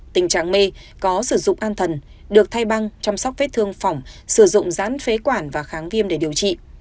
tình trạng mê có sử dụng an thần được thay băng chăm sóc vết thương phỏng sử dụng rán phế quản và kháng viêm để điều trị